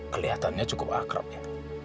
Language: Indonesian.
kelihatannya cukup akrab ya